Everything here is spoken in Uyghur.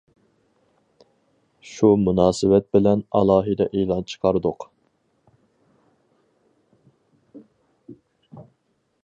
شۇ مۇناسىۋەت بىلەن ئالاھىدە ئېلان چىقاردۇق.